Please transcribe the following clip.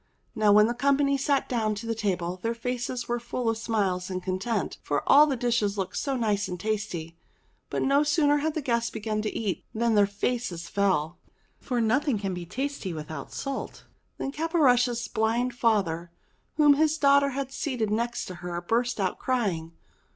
Now when the company sate down to table their faces were full of smiles and content, for all the dishes looked so nice and tasty ; but no sooner had the guests begun to eat than their faces fell ; for nothing can be tasty without salt. Then Caporushes' blind father, whom his daughter had seated next to her, burst out crying.